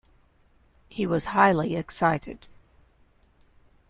He was highly excited.